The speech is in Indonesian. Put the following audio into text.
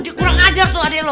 dikurang ajar tuh adek lu